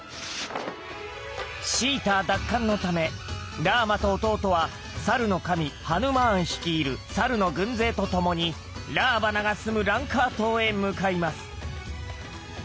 シーター奪還のためラーマと弟はサルの神ハヌマーン率いるサルの軍勢と共にラーバナが住むランカー島へ向かいます。